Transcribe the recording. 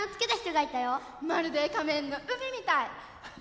・まるで仮面の海みたい。